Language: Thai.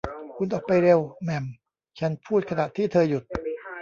คุณออกไปเร็ว แหม่ม ฉันพูดขณะที่เธอหยุด